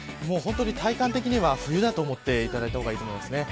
本当に体感的には冬だと思っていただいた方がいいと思います。